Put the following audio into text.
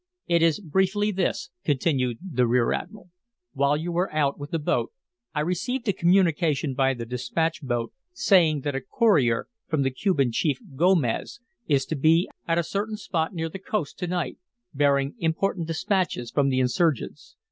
"It is briefly this," continued the rear admiral. "While you were out with the boat, I received a communication by the dispatch boat saying that a courier from the Cuban chief, Gomez, is to be at a certain spot near, the coast to night, bearing important dispatches from the insurgents.